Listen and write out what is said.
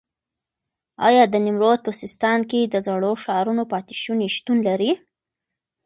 ایا د نیمروز په سیستان کې د زړو ښارونو پاتې شونې شتون لري؟